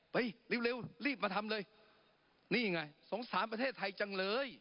เร็วรีบมาทำเลยนี่ไงสงสารประเทศไทยจังเลย